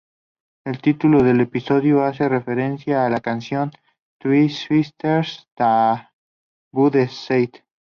El título del episodio hace referencia a la canción "The Sweetest Taboo" de Sade.